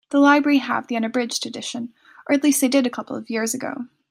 The library have the unabridged edition, or at least they did a couple of years ago.